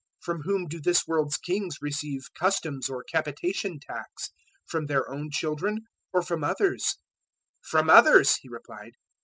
From whom do this world's kings receive customs or capitation tax? from their own children, or from others?" 017:026 "From others," he replied.